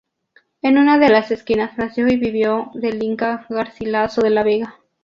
En una de las esquinas nació y vivió el Inca Garcilaso de la Vega.